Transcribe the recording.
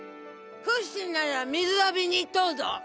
フシなら水浴びに行っとるぞ。